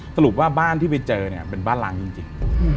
สรุปว่าบ้านที่ไปเจอเนี่ยเป็นบ้านล้างจริง